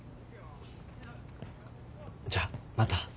じゃあまた。